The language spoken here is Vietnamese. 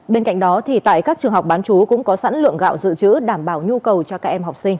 bên cạnh đó tại các trường học bán chú cũng có sẵn lượng gạo dự trữ đảm bảo nhu cầu cho các em học sinh